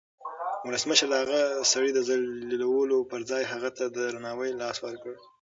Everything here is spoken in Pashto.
ولسمشر د هغه سړي د ذلیلولو پر ځای هغه ته د درناوي لاس ورکړ.